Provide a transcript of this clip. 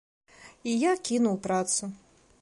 І я кінуў працу.